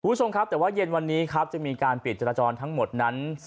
คุณผู้ชมครับแต่ว่าเย็นวันนี้ครับจะมีการปิดจราจรทั้งหมดนั้น